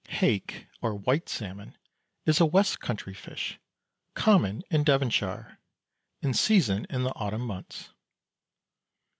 Hake, or "white salmon," is a west country fish, common in Devonshire. In season in the autumn months.